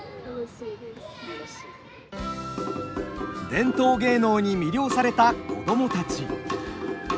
伝統芸能に魅了された子どもたち。